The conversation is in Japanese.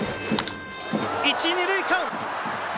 １、２塁間。